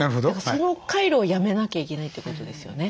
その回路をやめなきゃいけないってことですよね？